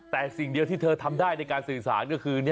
แต่สิ่งเดียวที่เธอทำได้ในการสื่อสารก็คือ